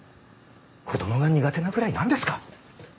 子供が苦手なぐらい何ですか？